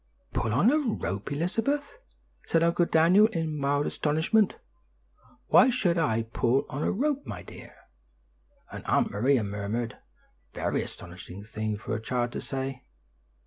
"Pull on a rope, Elizabeth!" said Uncle Daniel in mild astonishment. "Why should I pull on a rope, my dear?" and Aunt Maria murmured, "Very astonishing thing for a child to say."